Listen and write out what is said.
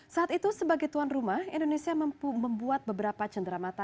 saat itu sebagai tuan rumah indonesia membuat beberapa cenderamata